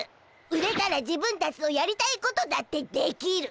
売れたら自分たちのやりたいことだってできる。